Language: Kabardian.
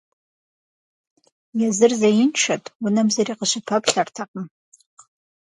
Езыр зеиншэт, унэм зыри къыщыпэплъэртэкъым.